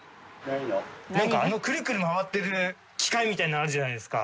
なんかくるくる回ってる機械みたいなのあるじゃないですか。